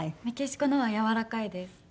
メキシコのはやわらかいです。